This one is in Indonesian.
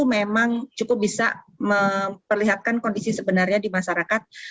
memang cukup bisa memperlihatkan kondisi sebenarnya di masyarakat